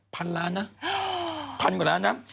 พันล้านนะพันกว่าล้านนะ